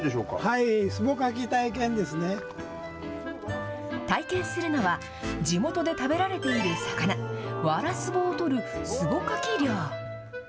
はい、体験するのは、地元で食べられている魚、ワラスボを取る、すぼかき漁。